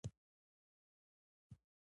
نو اتریشیان به راشي او موږ به را ویښ کړي.